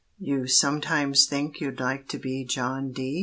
You sometimes think you'd like to be John D.?